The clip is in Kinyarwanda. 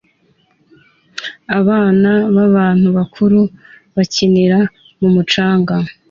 Abana n'abantu bakuru bakinira ku mucanga